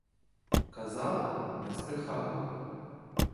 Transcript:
Казала — не збрехала!